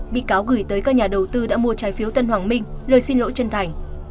bị cáo gửi tới các nhà đầu tư đã mua trái phiếu tân hoàng minh lời xin lỗi chân thành